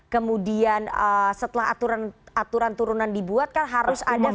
kemudian setelah aturan turunan dibuat kan harus ada